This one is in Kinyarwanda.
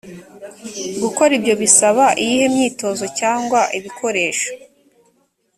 gukora ibyo bisaba iyihe myitozo cyangwa ibikoresho?